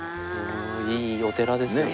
いいお寺ですよね。